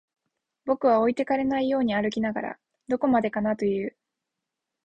僕は置いてかれないように歩きながら、どこまでかなと言う